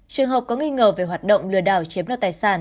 trường hợp có nghi ngờ về hoạt động lừa đảo chiếm đoạt tài sản